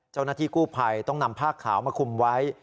เจ้าหน้าที่กู้ภัยต้องนำผ้าขาวมาคุมไว้